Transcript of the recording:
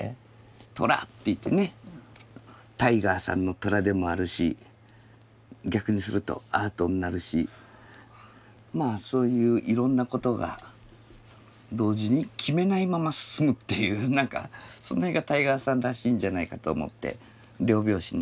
「ＴＲＡ」っていってねタイガーさんの「ＴＲＡ」でもあるし逆にすると「ＡＲＴ」になるしまあそういういろんなことが同時に決めないまま進むっていう何かそのへんがタイガーさんらしいんじゃないかと思って両表紙になってます。